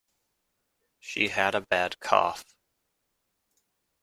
She had a bad cough.